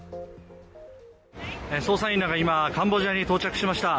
捜査員らが今、カンボジアに到着しました。